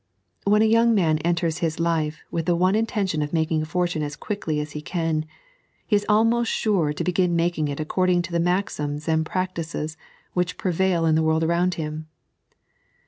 When a young man enters life with the one intention of making a fortune as quickly M he can, be is almost sure to begin making it according to the mazims and practices which prevail in the world around faim.